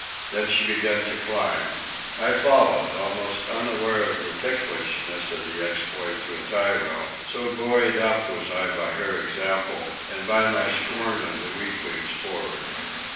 Then she began to climb. I followed, almost unaware of the ticklishness of the exploit to a tyro, so buoyed up was I by her example and by my scorn of the weaklings for'ard.